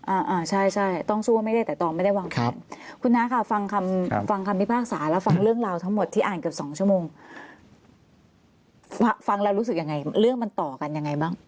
อ่าอ่าใช่ใช่ต้องสู้ไม่ได้แต่ตองไม่ได้วางแผนคุณน้าค่ะฟังคำฟังคำพิพากษาแล้วฟังเรื่องราวทั้งหมดที่อ่านเกือบสองชั่วโมงฟังแล้วรู้สึกยังไงเรื่องมันต่อกันยังไงบ้าง